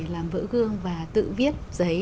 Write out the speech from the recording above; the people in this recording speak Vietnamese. làm vỡ gương và tự viết giấy